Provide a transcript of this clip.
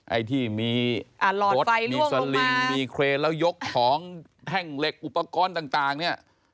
ไอ้ที่มีสลิงมีเครนแล้วยกของแท่งเหล็กอุปกรณ์ต่างเนี่ย